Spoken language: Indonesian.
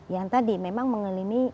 yang tadi memang mengalami